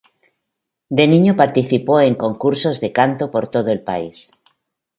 De niño participó en concursos de canto por todo el país.